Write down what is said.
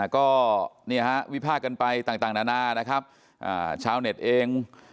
ก็เนี่ยฮะวิพากษ์กันไปต่างนานานะครับชาวเน็ตเอง